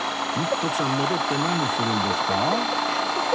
徳さん戻って何するんですか？